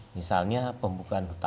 misalnya pembukaan hutan